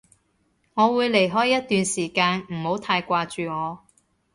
我會離開一段時間，唔好太掛住我